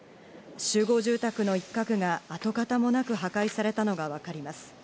集合住宅の一角が跡形もなく破壊されたのが分かります。